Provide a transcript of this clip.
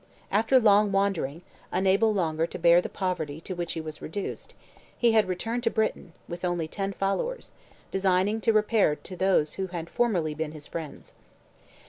After long wandering, unable longer to bear the poverty to which he was reduced, he had returned to Britain, with only ten followers, designing to repair to those who had formerly been his friends.